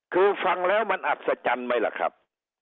คือฟังแล้วมันอัศจรรย์ไหมล่ะครับ